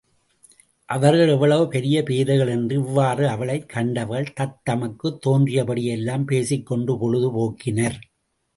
அவர்கள் எவ்வளவு பெரிய பேதைகள்! என்று இவ்வாறு அவளைக் கண்டவர்கள் தத்தமக்குத் தோன்றியபடியெல்லாம் பேசிக் கொண்டு பொழுது போக்கினர்.